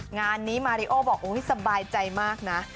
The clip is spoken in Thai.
งานนี้มาริโอบอกสบายใจมากนะ